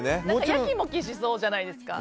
やきもきしそうじゃないですか。